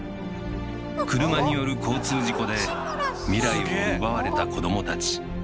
車による交通事故で未来を奪われた子どもたち。